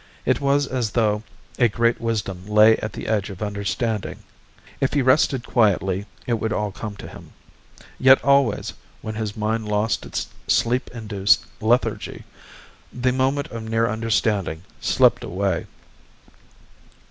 It was as though a great wisdom lay at the edge of understanding. If he rested quietly it would all come to him. Yet always, when his mind lost its sleep induced lethargy, the moment of near understanding slipped away.